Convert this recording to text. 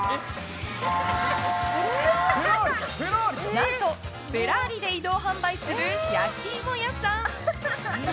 何とフェラーリで移動販売する焼き芋屋さん。